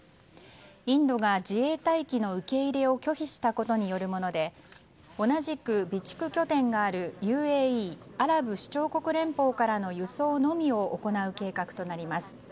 インドが自衛隊機の受け入れを拒否したことによるもので同じく備蓄拠点があるＵＡＥ・アラブ首長国連邦からの輸送のみを行う計画となります。